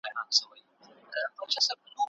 ما دې ورو د پایزېبونو ګونګرې ښکل کړې